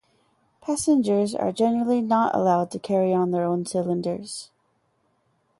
Passengers are generally not allowed to carry on their own cylinders.